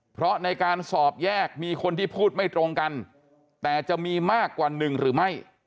เพราะในการสอบแยกมีคนที่พูดไม่ตรงกันแต่จะมีมากกว่าหนึ่งหรือไม่